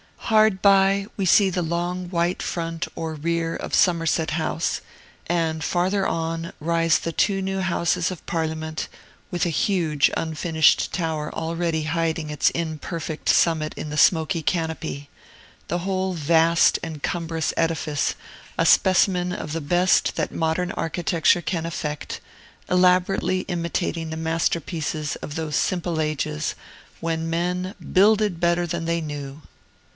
Hard by, we see tine long white front or rear of Somerset House, and, farther on, rise the two new Houses of Parliament, with a huge unfinished tower already hiding its imperfect summit in the smoky canopy, the whole vast and cumbrous edifice a specimen of the best that modern architecture can effect, elaborately imitating the masterpieces of those simple ages when men "builded better than they knew."